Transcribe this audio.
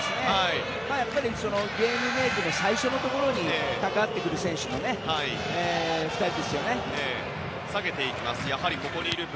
やっぱりゲームメイクの最初のところに関わってくる選手の２人ですね。